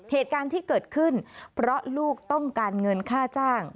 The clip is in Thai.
เหตุการณ์ที่เกิดขึ้นเพราะลูกต้องการเงินค่าจ้าง